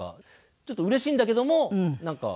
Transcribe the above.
ちょっとうれしいんだけどもなんか。